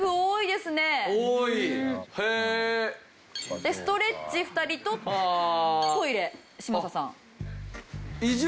でストレッチ２人とトイレ嶋佐さん。